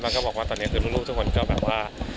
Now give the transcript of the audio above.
แล้วก็บอกว่าตอนนี้คือลูกทุกคนก็แบบว่า